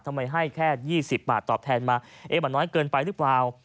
ทำไมให้แค่๒๐บาทตอบแทนมาเอ๊ะมันน้อยเกินไปหรือเปล่า